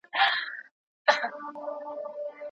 د تجربه لرونکو خلکو مشورې ډېرې ارزښت لري.